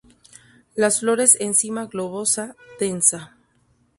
Las flores en cima globosa, densa.